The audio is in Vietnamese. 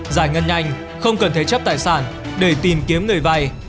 giải ngân nhanh không cần thế chấp tài sản để tìm kiếm người vay